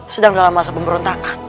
sedang dalam masa pemberontakan